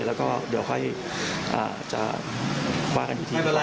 เดี๋ยวค่อยจะว่ากันอีกที